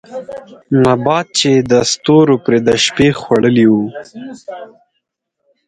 نبات چې يې د ستورو پرې د شپې خـوړلې وو